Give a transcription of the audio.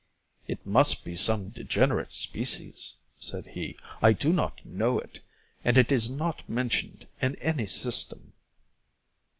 "It must be some degenerate species," said he; "I do not know it, and it is not mentioned in any system."